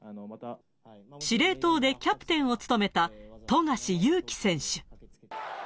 司令塔でキャプテンを務めた富樫勇樹選手。